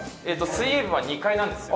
水泳部は２階なんですよ。